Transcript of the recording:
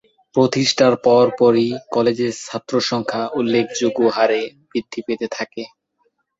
প্রতিষ্ঠার পর পরই কলেজের ছাত্রসংখ্যা উল্লেখযোগ্য হারে বৃদ্ধি পেতে থাকে।